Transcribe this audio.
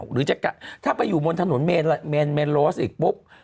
หรือจะถ้าไปอยู่บนถนนเมนโลสอีกปุ๊บ